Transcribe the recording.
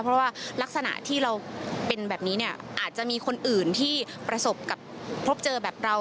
เพราะว่ารักษณะที่เราเป็นแบบนี้เนี่ยอาจจะมีคนอื่นที่ประสบกับพบเจอแบบเรา